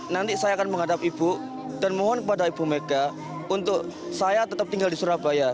nanti saya akan menghadap ibu dan mohon kepada ibu mega untuk saya tetap tinggal di surabaya